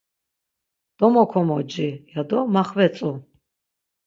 Domokomoci ya do maxvetzu.